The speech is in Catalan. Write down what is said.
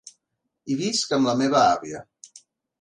Hi visc amb la meva àvia.